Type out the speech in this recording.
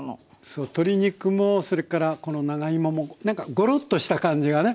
そう鶏肉もそれからこの長芋もなんかゴロッとした感じがね。